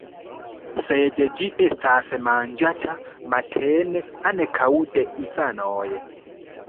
Sed ĝi estas manĝata matene ankaŭ de infanoj.